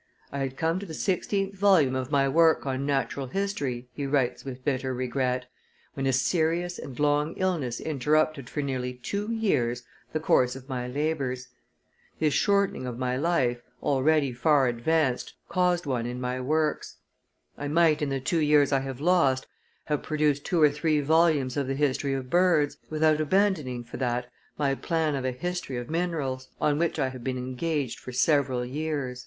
"I had come to the sixteenth volume of my work on natural history," he writes with bitter regret, "when a serious and long illness interrupted for nearly two years the course of my labors. This shortening of my life, already far advanced, caused one in my works. I might, in the two years I have lost, have produced two or three volumes of the history of birds, without abandoning for that my plan of a history of minerals, on which I have been engaged for several years."